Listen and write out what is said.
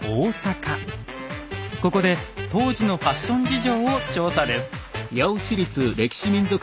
ここで当時のファッション事情を調査です。